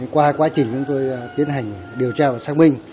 qua quá trình chúng tôi tiến hành điều tra và xác minh